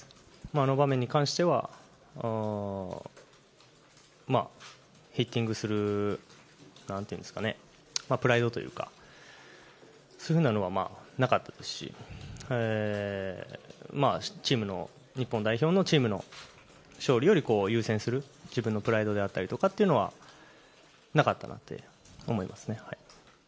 あの場面に関しては、ヒッティングする、なんていうんですかね、プライドというか、そういうふうなのはなかったですし、チームの、日本代表のチームの勝利より優先する自分のプライドであったりとかっていうのはなかったなって思いますね。